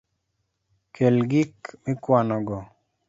Kel gik mikwanogo